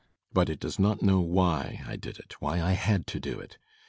But it does not know why I did it; why I had to do it.